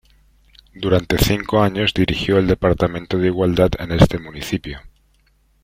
Durante cinco años dirigió el departamento de Igualdad en este municipio.